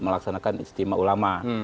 melaksanakan istimewa ulama